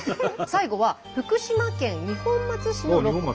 最後は福島県二本松市のロコ。